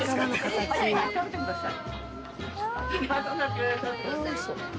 食べてください。